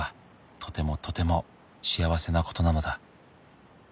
「とてもとても幸せなことなのだ」